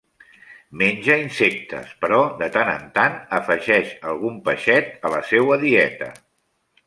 Menja insectes però, de tant en tant, afegeix algun peixet a la seua dieta.